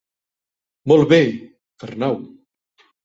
Molt de bé, Arnau.